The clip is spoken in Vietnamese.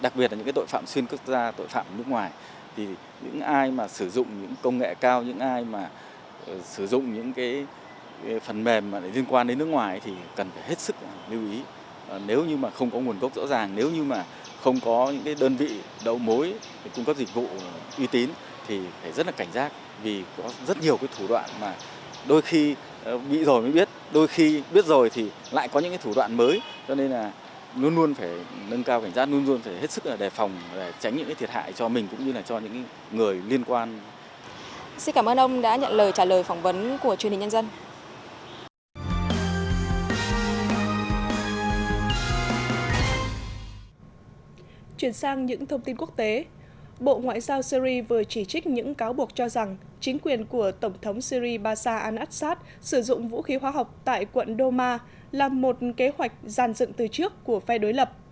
chuyển sang những thông tin quốc tế bộ ngoại giao syri vừa chỉ trích những cáo buộc cho rằng chính quyền của tổng thống syri basa al assad sử dụng vũ khí hóa học tại quận doma là một kế hoạch giàn dựng từ trước của phe đối lập